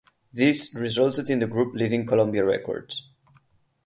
This resulted in the group leaving Columbia Records.